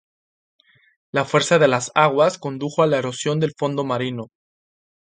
La fuerza de las aguas condujo a la erosión del fondo marino.